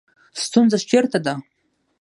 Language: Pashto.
ستونزه چېرته ده